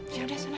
siap deh sana